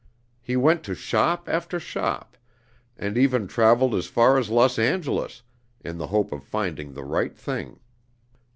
He went to shop after shop, and even traveled as far as Los Angeles, in the hope of finding the right thing.